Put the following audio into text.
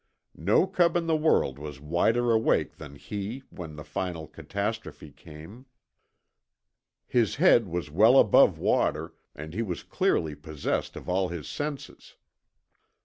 No cub in the world was wider awake than he when the final catastrophe came. His head was well above water and he was clearly possessed of all his senses.